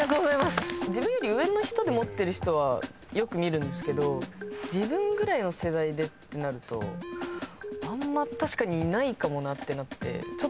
自分より上の人で持ってる人はよく見るんですけど自分ぐらいの世代でってなるとあんま確かにいないかもなってなって。